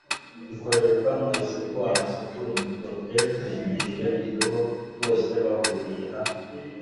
bikoreshwa mu isuku : amasuka, imikoropesho, imyeyo, indobo. bose bahuriye hamwe